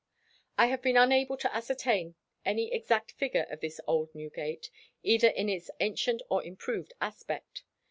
I have been unable to ascertain any exact figure of this old Newgate, either in its ancient or improved aspect.